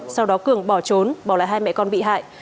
sau đó cường bỏ trốn bỏ lại hai mẹ con bị hại